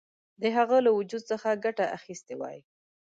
د هغه له وجود څخه ګټه اخیستې وای.